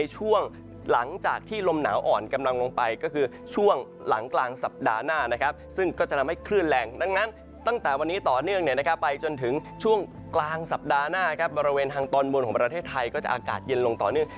ช่วงกลางสัปดาห์หน้าครับบริเวณทางตอนบนของประเทศไทยก็จะอากาศเย็นลงต่อหนึ่ง